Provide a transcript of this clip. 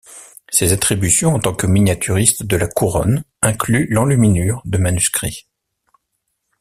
Ses attributions en tant que miniaturiste de la Couronne incluent l'enluminure de manuscrits.